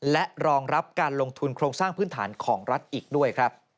และรองรับการลงทุนโครงสร้างพื้นฐานของรัฐอีกด้วยครับ